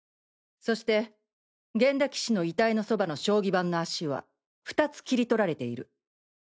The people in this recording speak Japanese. そして源田棋士の遺体のそばの将棋盤の脚はふたつ切り取られている。